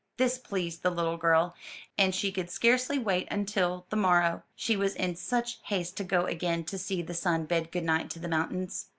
This pleased the little girl, and she could scarcely wait until the morrow, she was in such haste to go again to see the sun bid good night to the mountains.